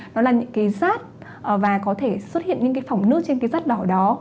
nó là những cái rát và có thể xuất hiện những cái phỏng nước trên cái rát đỏ đó